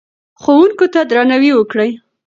ښوونکو ته درناوی وکړئ.